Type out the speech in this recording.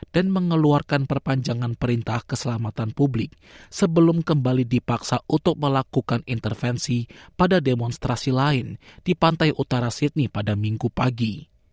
dan mengeluarkan perpanjangan perintah keselamatan publik sebelum kembali dipaksa untuk melakukan intervensi pada demonstrasi lain di pantai utara sydney pada minggu pagi